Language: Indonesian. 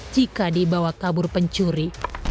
jika dibawa kabur pencuri